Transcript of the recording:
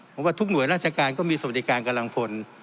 ผมว่าทุกหน่วยราชการก็มีสวัสดิการกำลังพล